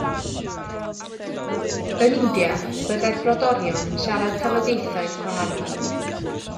Yn India byddai'r brodorion yn siarad tafodieithoedd gwahanol.